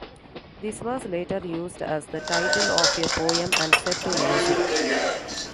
This was later used as the title of a poem and set to music.